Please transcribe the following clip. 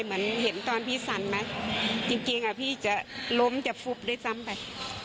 เหมือนเห็นตอนพี่สั่นไหมจริงพี่จะล้มจะฟุบด้วยซ้ำไป